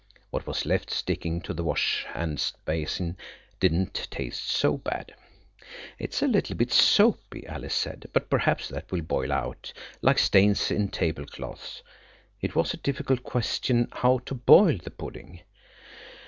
What was left sticking to the wash hand basin did not taste so bad. "It's a little bit soapy," Alice said, "but perhaps that will boil out; like stains in table cloths." It was a difficult question how to boil the pudding.